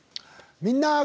「みんな！